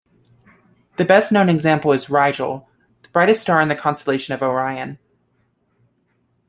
The best known example is Rigel, the brightest star in the constellation of Orion.